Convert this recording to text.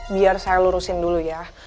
biar saya lurusin dulu ya